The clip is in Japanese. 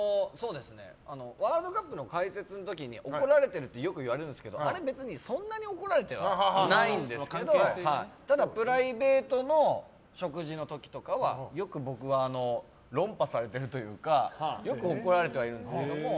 ワールドカップの解説の時に怒られているってよく言われるんですけどあれ、別にそんなに怒られてないんですけどただプライベートの食事の時とかはよく僕は論破されているというかよく怒られてはいるんですけど。